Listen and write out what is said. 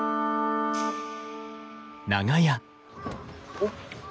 おっ。